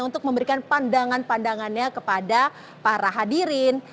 untuk memberikan pandangan pandangannya kepada para hadirin